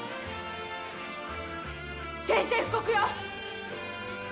宣戦布告よ！